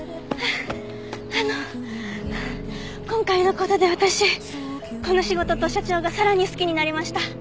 ああの今回の事で私この仕事と社長がさらに好きになりました。